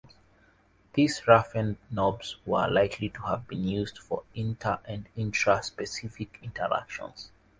These roughened knobs were likely to have been used for inter- and intra-specific interactions.